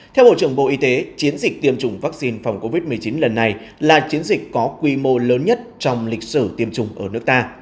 theo bộ trưởng bộ y tế chiến dịch tiêm chủng vaccine phòng covid một mươi chín lần này là chiến dịch có quy mô lớn nhất trong lịch sử tiêm chủng ở nước ta